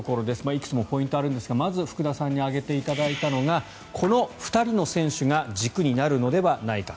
いくつもポイントはあるんですがまず福田さんに挙げていただいたのがこの２人の選手が軸になるのではないか。